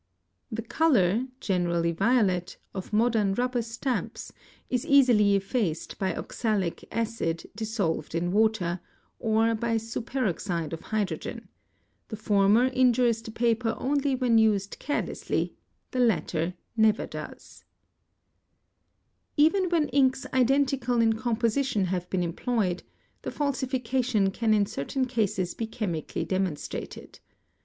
_ The colour, generally violet, of modern rubber stamps is easily effaced by oxalic acid dissolved in water, or by superoxide of hydrogen; the former injures the paper only when used carelessly, the latter never does, 776 CHEATING AND FRAUD Even when inks identical in composition have been employed, the falsification can in certain cases be chemically demonstrated.